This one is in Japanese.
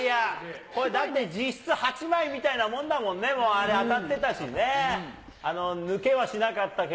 これ、だって、実質８枚みたいなもんだもんね、もうあれ、当たってたしね。